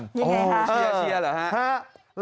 นี่ไงครับโอ้โฮเชียร์หรือฮะ